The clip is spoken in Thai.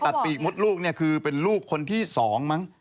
ปีกมดลูกเนี่ยคือเป็นลูกคนที่๒มั้ง